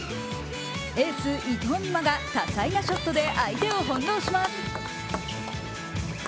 エース・伊藤美誠が多彩なショットで相手を翻弄します。